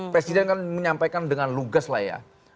presiden kan menyampaikan dengan lugas lah ya